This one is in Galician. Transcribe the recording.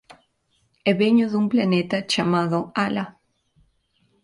E veño dun planeta chamado Hala.